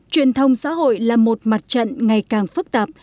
truyền thông xã hội là một mặt trận ngày càng phức tạp